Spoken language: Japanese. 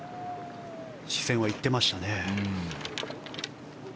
視線は行ってましたね。